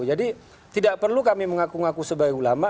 jadi tidak perlu kami mengaku ngaku sebagai ulama